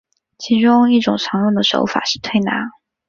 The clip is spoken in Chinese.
其中一种常用的手法是推拿。